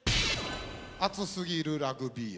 熱すぎる「ラグビー愛」。